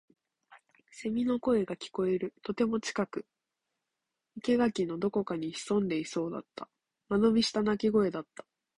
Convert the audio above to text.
蝉の声が聞こえる。とても近く。生垣のどこかに潜んでいそうだった。間延びした鳴き声だった。